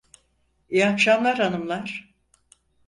İyi akşamlar hanımlar.